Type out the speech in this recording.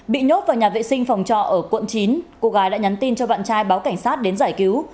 bị nhốt vào nhà vệ sinh phòng trọ ở quận chín cô gái đã nhắn tin cho bạn trai báo cảnh sát đến giải cứu